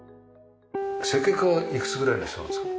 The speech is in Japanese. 設計家はいくつぐらいの人なんですか？